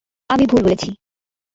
আমি ভুল বলেছি।